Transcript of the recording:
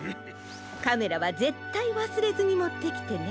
カメラはぜったいわすれずにもってきてね。